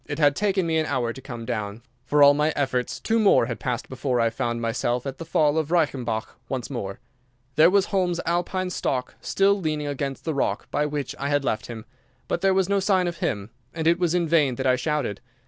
It had taken me an hour to come down. For all my efforts two more had passed before I found myself at the fall of Reichenbach once more. There was Holmes's Alpine stock still leaning against the rock by which I had left him. But there was no sign of him, and it was in vain that I shouted.